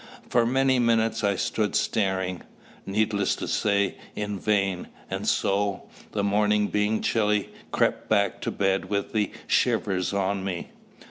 For many minutes I stood staring needless to say, in vain and so, the morning being chilly, crept back to bed with the shivers on me.